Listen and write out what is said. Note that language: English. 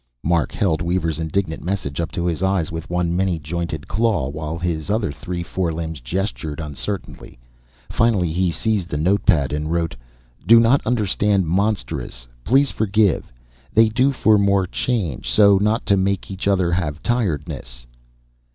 Mark held Weaver's indignant message up to his eyes with one many jointed claw, while his other three forelimbs gestured uncertainly. Finally he seized the note pad and wrote, "Do not understand monstrous, please forgive. They do for more change, so not to make each other have tiredness."